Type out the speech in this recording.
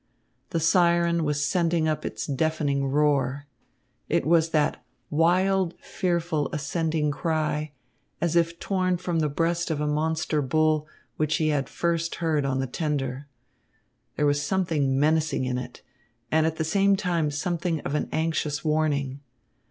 The siren was sending up its deafening roar. It was that wild, fearful, ascending cry, as if torn from the breast of a monster bull, which he had first heard on the tender. There was something menacing in it, and at the same time something of an anxious warning.